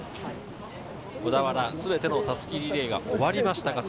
小田原は全ての襷リレーが終わりました。